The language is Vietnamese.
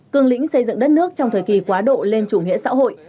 cường lĩnh xây dựng đất nước trong thời kỳ quá độ lên chủ nghĩa xã hội